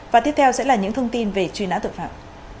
và tiếp theo sẽ là những thông tin về truy nã tội phạm